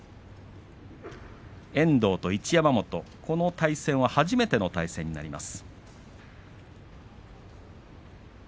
遠藤と一山本、この対戦は初めての対戦です。